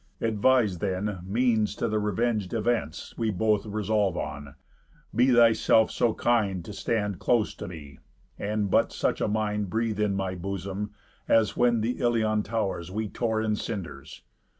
Advise then means to the reveng'd events We both resolve on. Be thyself so kind To stand close to me, and but such a mind Breathe in my bosom, as when th' Ilion tow'rs We tore in cinders.